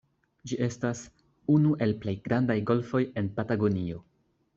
Ĝi estas "unu el plej grandaj golfoj en Patagonio".